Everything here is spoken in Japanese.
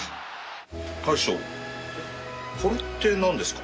大将これって何ですか？